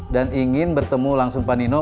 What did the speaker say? dan ingin bertemu langsung pak nino